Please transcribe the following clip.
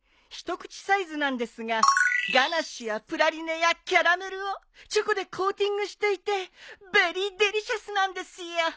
一口サイズなんですがガナッシュやプラリネやキャラメルをチョコでコーティングしていてベリーデリシャスなんですよ。